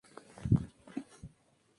Modificaciones posteriores.